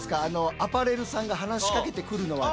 アパレルさんが話しかけてくるのは苦手？